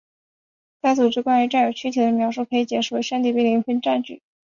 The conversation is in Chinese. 该组织关于占有躯体的描述可以解释为身体被灵魂占据。